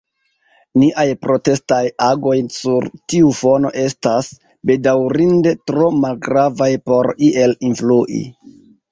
Niaj protestaj agoj sur tiu fono estas, bedaŭrinde, tro malgravaj por iel influi.